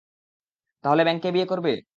তাহলে ব্যাঙকে বিয়ে করবে?